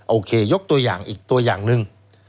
โอเคยกตัวอย่างอีกตัวอย่างนึง